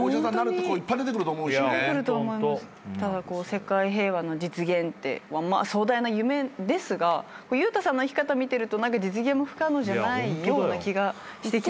世界平和の実現って壮大な夢ですが悠太さんの生き方見てると実現も不可能じゃないような気がしてきますよね。